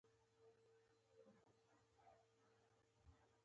د قربانۍ لپاره راوست.